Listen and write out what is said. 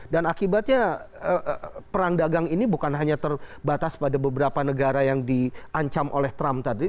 dan akibatnya perang dagang ini bukan hanya terbatas pada beberapa negara yang diancam oleh trump tadi